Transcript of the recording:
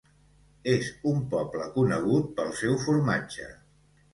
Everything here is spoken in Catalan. És un poble conegut pel seu formatge.